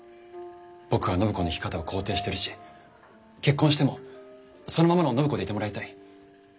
僕は暢子の生き方を肯定してるし結婚してもそのままの暢子でいてもらいたい。